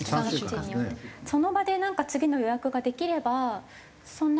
その場でなんか次の予約ができればそんなにもう。